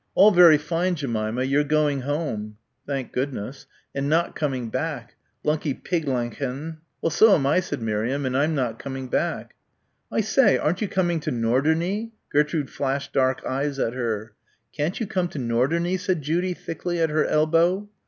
"All very fine, Jemima. You're going home." "Thank goodness." "And not coming back. Lucky Pigleinchen." "Well, so am I," said Miriam, "and I'm not coming back." "I say! Aren't you coming to Norderney?" Gertrude flashed dark eyes at her. "Can't you come to Norderney?" said Judy thickly, at her elbow.